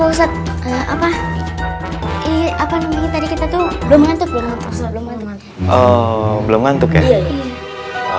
ustadz apa ini apa tadi kita tuh belum ngantuk belum ngantuk belum ngantuk belum ngantuk ya